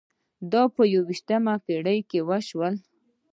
دا په یوویشتمه پېړۍ کې وشول.